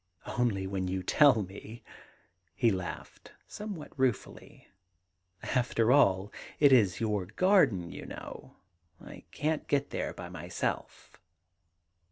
^Only when you tell me,' — he laughed somewhat ruefully. * After all, it is your garden, you know. I can't get there by myself.